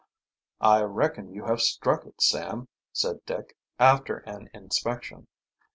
"I reckon you have struck it, Sam," said Dick, after an inspection.